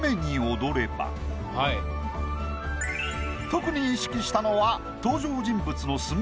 特に意識したのは。